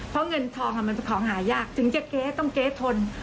เพราะเงินทองมันเป็นของหายากถึงจะเก๊ต้องเก๊ทน